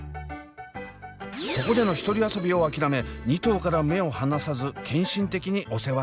そこでの１人遊びを諦め２頭から目を離さず献身的にお世話しています。